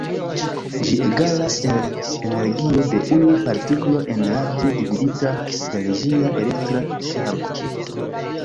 Ĝi egalas el energio de unu partiklo en radio dividita per ĝia elektra ŝargo.